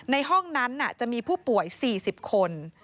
ในห้องนั้นจะมีผู้ป่วย๔๐คน